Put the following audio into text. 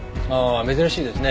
珍しいですね。